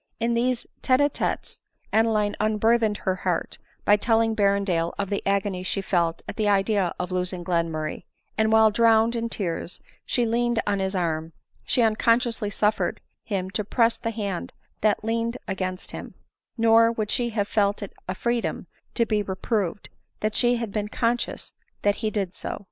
In these tete a tetes Ade line unburthened her heart, by telling Berrendale of the agony she felt at the idea of losing Glenmurray ; and while drowned in tears she leaned on his arm, she unconsciously suffered him to press the hand that leaned against him ; nor would she have felt it a freedom to be reproved, had she been conscious that he did so.